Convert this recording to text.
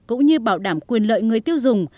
cũng như bảo đảm quyền lợi người tiêu dùng